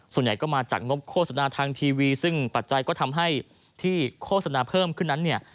ส่วนใหญ่ก็มาจากงบโฆษณาทางทีวีซึ่งปัจจัยก็ทำให้ที่โฆษณาเพิ่มขึ้นนั้นเนี่ย